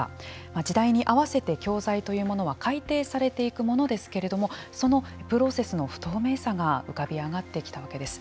時代に合わせて教材というものは改訂されていくものですけれどもそのプロセスの不透明さが浮かび上がってきたわけです。